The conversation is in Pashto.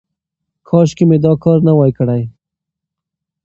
کاشکې مې دا کار نه وای کړی.